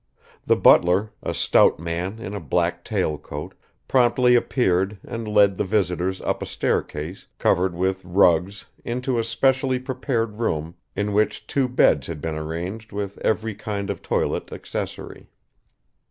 The butler, a stout man in a black tail coat, promptly appeared and led the visitors up a staircase covered with rugs into a specially prepared room in which two beds had been arranged with every kind of toilet accessory.